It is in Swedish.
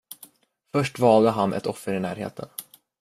Först valde han ett offer i närheten.